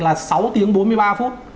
là sáu tiếng bốn mươi ba phút